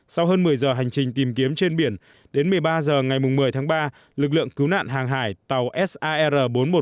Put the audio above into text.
sau hơn một mươi giờ hành trình tìm kiếm trên biển đến một mươi ba h ngày một mươi tháng ba lực lượng cứu nạn hàng hải tàu sar bốn trăm một mươi